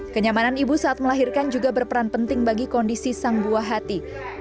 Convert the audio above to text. kenyamanan ibu saat melahirkan juga berperan penting bagi kondisi sang buah hati